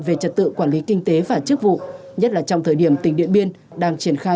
về trật tự quản lý kinh tế và chức vụ nhất là trong thời điểm tỉnh điện biên đang triển khai